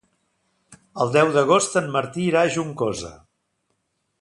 El deu d'agost en Martí irà a Juncosa.